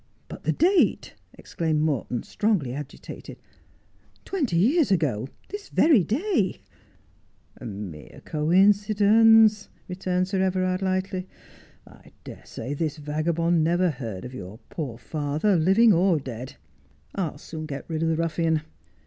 ' But the date,' exclaimed Morton, strongly agitated, ' twenty years ago, this very day '' A mere coincidence,' returned Sir Everard lightly. ' I dare say this vagabond never heard of your poor father, living or dead. I'll soon get rid of the ruffian.